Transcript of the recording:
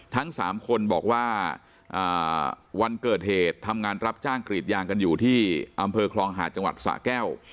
ทั้ง๓คนบอกว่าวันเกิดเหตุทำงานรับจ้างกรีดยางกันอยู่ที่อำเภอคลองหาดจังหวัดสะแก้ว